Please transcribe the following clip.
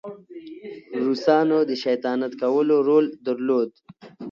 روسانو د شیطانت کولو رول درلود.